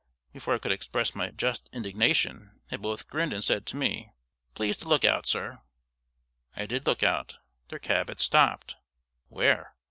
Before I could express my just indignation, they both grinned, and said to me: "Please to look out, sir!" I did look out. Their cab had stopped. Where?